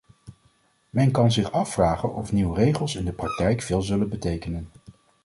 Men kan zich afvragen of nieuwe regels in de praktijk veel zullen betekenen.